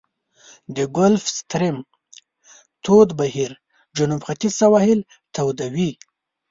د ګلف ستریم تود بهیر جنوب ختیځ سواحل توده وي.